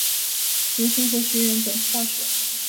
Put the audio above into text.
原生活学园短期大学。